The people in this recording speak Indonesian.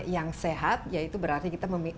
yang sehat yaitu berarti kita